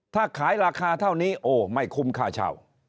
ถ้าขายราคาเท่านี้โอ้ไม่คุ้มค่าเช่า